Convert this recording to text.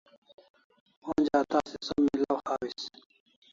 Onja a tasi som milaw hawis